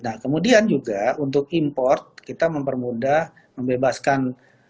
nah kemudian juga untuk import kita mempermudah membebaskan